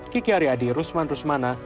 kiki aryadi rusman rusmana